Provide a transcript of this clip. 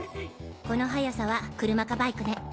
この速さは車かバイクね。